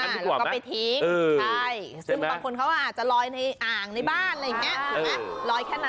แล้วก็ไปทิ้งซึ่งบางคนเขาอาจจะลอยในอ่างในบ้านอะไรอย่างนี้